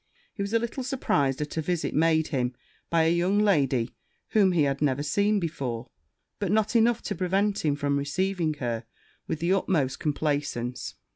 He was a little surprized at a visit made him by a young lady whom he had never seen before; but not enough to prevent him from receiving her with the utmost complaisance.